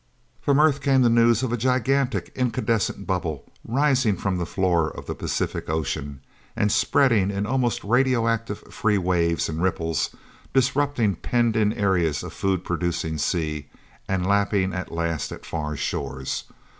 From Earth came the news of a gigantic, incandescent bubble, rising from the floor of the Pacific Ocean, and spreading in almost radioactivity free waves and ripples, disrupting penned in areas of food producing sea, and lapping at last at far shores.